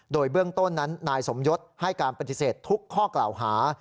โดยเบื้องต้นนั้นนายสมยศให้การปฏิเสธทุกข้อกล่าวหา